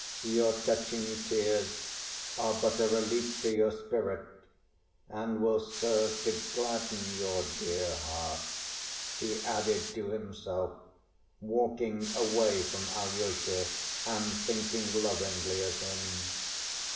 "Your touching tears are but a relief to your spirit and will serve to gladden your dear heart," he added to himself, walking away from Alyosha, and thinking lovingly of him.